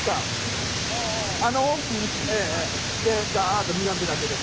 あの大きい石でガッと磨くだけです。